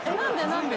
何で？